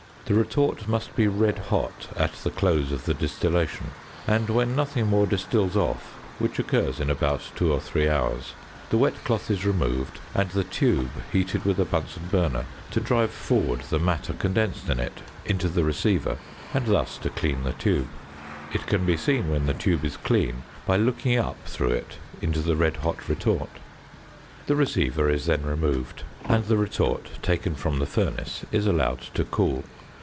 The retort must be red hot at the close of the distillation, and when nothing more distils off, which occurs in about two or three hours, the wet cloth is removed, and the tube heated with a Bunsen burner to drive forward the matter condensed in it into the receiver, and thus to clean the tube. It can be seen when the tube is clean by looking up through it into the red hot retort. The receiver is then removed, and the retort, taken from the furnace, is allowed to cool.